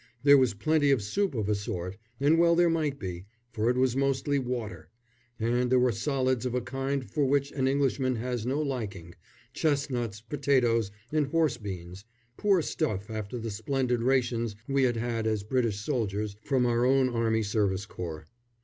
There was plenty of soup of a sort and well there might be, for it was mostly water and there were solids of a kind for which an Englishman has no liking chestnuts, potatoes and horse beans poor stuff after the splendid rations we had had as British soldiers from our own Army Service Corps.